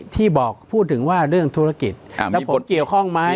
ที่บอกพูดถึงว่าเรื่องธุรกิจแล้วผมเกี่ยวข้องไหม